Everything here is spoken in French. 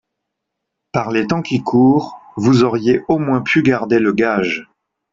Par les temps qui courent, vous auriez au moins pu garder le gage